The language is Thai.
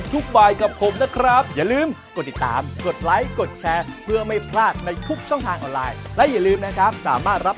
สวัสดีครับ